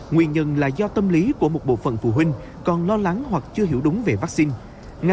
nguyên nhân là do tâm lý của một bộ phận phụ huynh còn lo lắng hoặc chưa hiểu đúng về vaccine